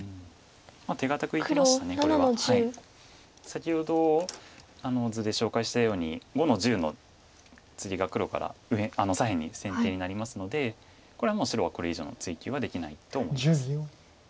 先ほど図で紹介したように５の十のツギが黒から左辺に先手になりますのでこれはもう白はこれ以上の追及はできないと思います。